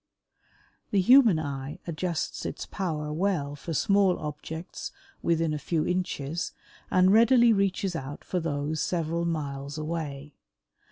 The human eye adjusts its power well for small objects within a few inches and readily reaches out for those several miles away.